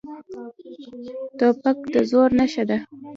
توپک د زور نښه ده.